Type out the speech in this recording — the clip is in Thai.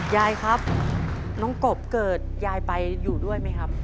ยายครับน้องกบเกิดยายไปอยู่ด้วยไหมครับ